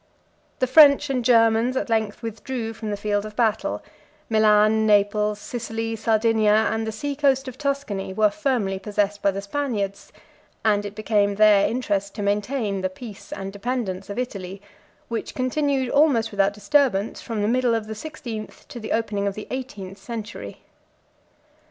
91 The French and Germans at length withdrew from the field of battle: Milan, Naples, Sicily, Sardinia, and the sea coast of Tuscany, were firmly possessed by the Spaniards; and it became their interest to maintain the peace and dependence of Italy, which continued almost without disturbance from the middle of the sixteenth to the opening of the eighteenth century.